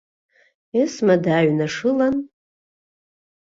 Есма дааҩнашылан.